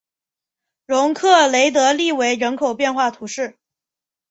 容克雷德利韦人口变化图示